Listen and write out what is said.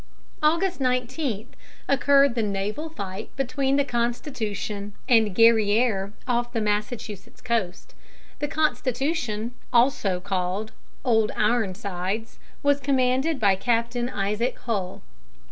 August 19 occurred the naval fight between the Constitution and Guerriere, off the Massachusetts coast. The Constitution, called "Old Ironsides," was commanded by Captain Isaac Hull.